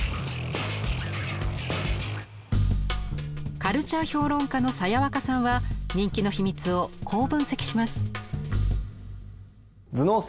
カルチャー評論家のさやわかさんは人気の秘密をこう分析します。